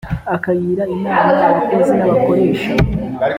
akagira inama abakozi n’abakoresha